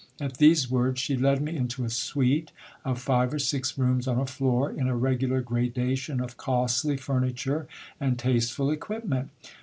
At these words, she led me into a suite of five or six rooms on a floor, in a regular gradation of costly fur niture and tasteful equipment.